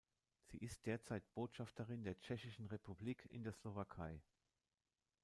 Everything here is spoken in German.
Sie ist derzeit Botschafterin der Tschechischen Republik in der Slowakei.